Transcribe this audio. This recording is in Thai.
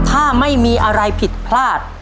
ถ้าไม่มีอะไรผิดพลาด